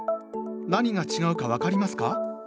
何が違うか分かりますか？